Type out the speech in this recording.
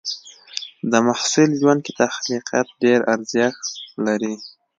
د محصل ژوند کې تخلیقيت ډېر ارزښت لري.